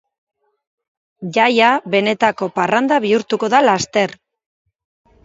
Jaia benetako parranda bihurtuko da laster.